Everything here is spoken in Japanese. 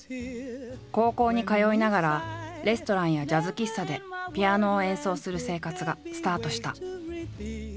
高校に通いながらレストランやジャズ喫茶でピアノを演奏する生活がスタートした。